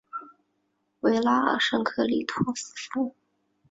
维拉尔圣克里斯托夫。